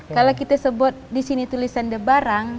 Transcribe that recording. kalau kita sebut di sini tulisan the barang